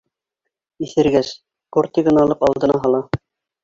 Иҫергәс, кортигын алып алдына һала.